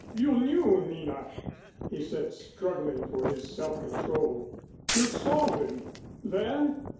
"You knew, Nina?" he said struggling for his self control. "You saw them there?"